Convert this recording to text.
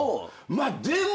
まあでも。